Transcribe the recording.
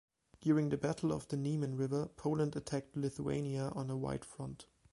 During the Battle of the Niemen River, Poland attacked Lithuania on a wide front.